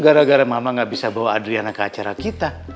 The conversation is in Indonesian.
gara gara mama gak bisa bawa adriana ke acara kita